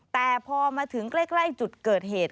แต่พอมาถึงใกล้จุดเกิดเหตุ